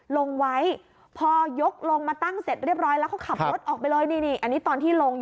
ลงไว้พอยกลงมาตั้งเสร็จเรียบร้อย